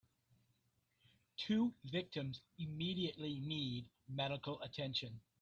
Two victims immediately need medical attention.